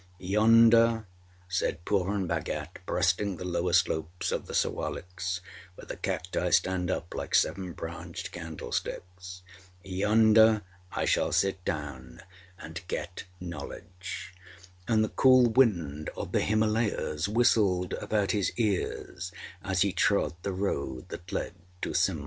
âYonder,â said Purun Bhagat, breasting the lower slopes of the Sewaliks, where the cacti stand up like seven branched candlesticks âyonder I shall sit down and get knowledgeâ; and the cool wind of the Himalayas whistled about his ears as he trod the road that led to Simla.